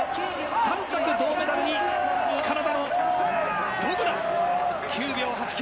３着、銅メダルにカナダのドグラス、９秒８９。